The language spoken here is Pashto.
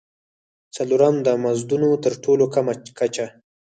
څلورم: د مزدونو تر ټولو کمه کچه.